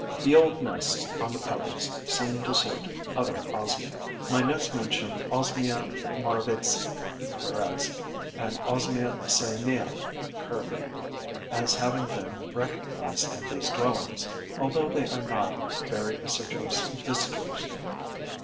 The old nests on the pebbles seem to suit other Osmiae. My notes mention Osmia Morawitzi, PEREZ, and Osmia cyanea, KIRB., as having been recognized in these dwellings, although they are not very assiduous visitors.